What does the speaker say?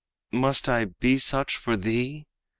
must I be such for thee?'